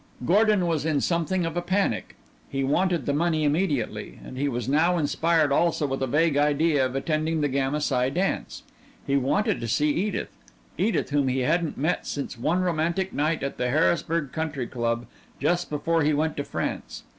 Gordon was in something of a panic. He wanted the money immediately. And he was now inspired also with a vague idea of attending the Gamma Psi dance. He wanted to see Edith Edith whom he hadn't met since one romantic night at the Harrisburg Country Club just before he went to France.